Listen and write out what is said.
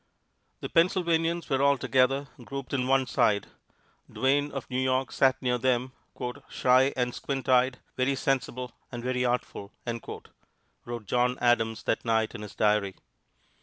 The Pennsylvanians were all together, grouped on one side. Duane, of New York, sat near them, "shy and squint eyed, very sensible and very artful," wrote John Adams that night in his diary.